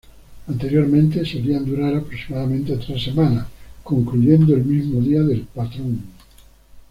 Anteriormente, solían durar aproximadamente tres semanas, concluyendo el mismo día del patrón.